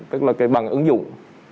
tức là cái bằng ứng dụng